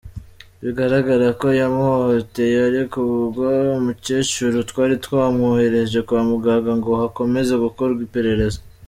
Biragaragara ko yamuhohoteye ariko ubwo umukecuru twari twamwohereje kwa muganga ngo hakomeze gukorwa iperereza.